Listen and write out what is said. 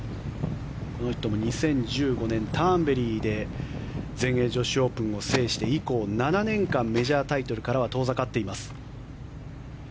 この人も２０１５年ターンベリーで全英女子オープンを制して以降７年間メジャータイトルからは遠ざかっています。